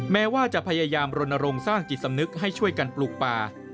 แม้ว่าจะพยายามรณรงค์สร้างจิตสำนึกให้ช่วยกันปลูกป่า